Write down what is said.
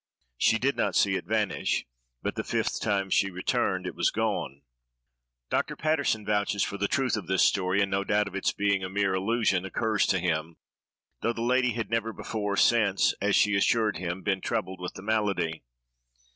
She did not see it vanish, but the fifth time she returned, it was gone. Dr. Paterson vouches for the truth of this story, and no doubt of its being a mere illusion occurs to him, though the lady had never before or since, as she assured him, been troubled with the malady.